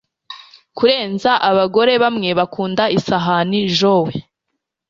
Kurenza abagore bamwe bakunda isahani Joe